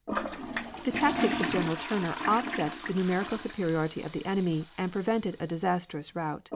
The tactics of General Turner off set the numerical superiority of the enemy, and prevented a disastrous rout.